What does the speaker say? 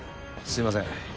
すみません。